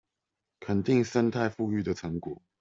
肯定生態復育的成果